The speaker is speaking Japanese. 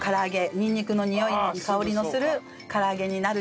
にんにくのにおい香りのする唐揚げになるし。